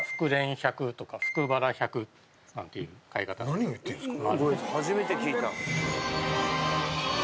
何を言ってんすか？